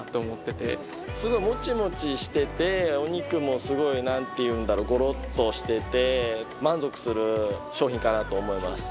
すごいもちもちしててお肉もすごいなんていうんだろうゴロッとしてて満足する商品かなと思います。